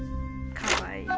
かわいい。